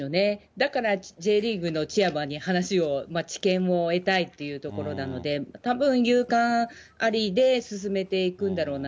だからＪリーグのチェアマンに話を、知見を得たいというところなので、たぶん、有観ありで進めていくんだろうな。